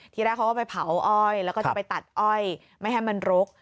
แรกเขาก็ไปเผาอ้อยแล้วก็จะไปตัดอ้อยไม่ให้มันรุก